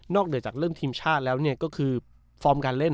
เหนือจากเรื่องทีมชาติแล้วเนี่ยก็คือฟอร์มการเล่น